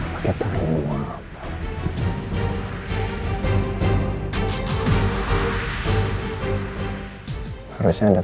kamu akan bisa temukan pembunuh anda